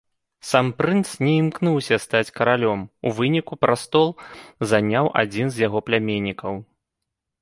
Сам прынц не імкнуўся стаць каралём, у выніку прастол заняў адзін з яго пляменнікаў.